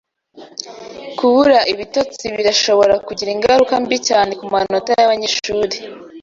Kubura ibitotsi birashobora kugira ingaruka mbi cyane kumanota yabanyeshuri.